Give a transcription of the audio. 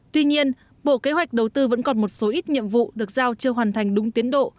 tuy nhiên bộ kế hoạch đầu tư vẫn còn một số ít nhiệm vụ được giao chưa hoàn thành đúng tiến độ